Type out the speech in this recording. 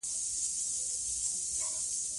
افسر کولای سي چې خولۍ ایسته کړي.